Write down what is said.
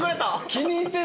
気に入ってる。